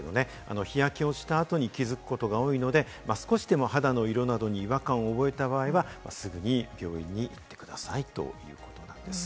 日焼けをした後に気付くことが多いので、少しでも肌の色などに違和感を覚えた場合は、すぐに病院に行ってくださいということです。